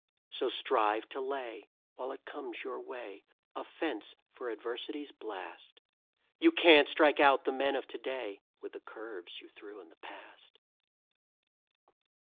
So strive to lay, while it comes your way, A fence for Adversity's blast. You can't strike out the men of to day With the curves you threw in the past.